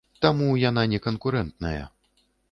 Таму яна не канкурэнтная.